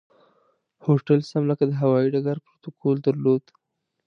هوټل سم لکه د هوایي ډګر پروتوکول درلود.